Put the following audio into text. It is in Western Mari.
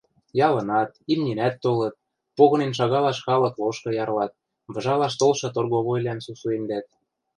Ялынат, имнинӓт толыт, погынен шагалаш халык лошкы ярлат, выжалаш толшы торговойвлӓм сусуэмдӓт